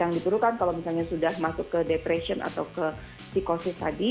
kadang dibutuhkan kalau misalnya sudah masuk ke depresi atau ke psikosis tadi